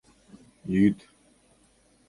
ЙӰД